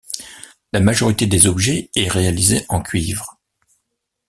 La majorité des objets est réalisée en cuivre.